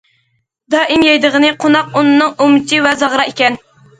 دائىم يەيدىغىنى قوناق ئۇنىنىڭ ئۇمىچى ۋە زاغرا ئىكەن.